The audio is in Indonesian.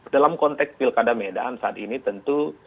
dalam konteks pilkada medan saat ini tentu